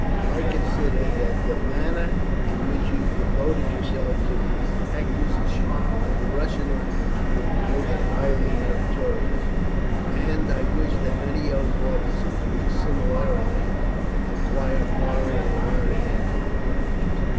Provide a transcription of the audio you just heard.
I consider that the manner in which you devoted yourself to the acquisition of the Russian language was most highly meritorious, and I wish that many young officers would similarly acquire foreign or oriental languages.